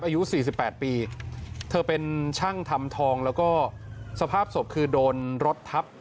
อายุ๔๘ปีเธอเป็นช่างทำทองแล้วก็สภาพศพคือโดนรถทับ